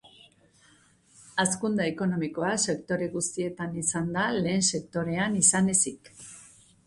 Hazkunde ekonomikoa sektore guztietan izan da, lehen sektorean izan ezik.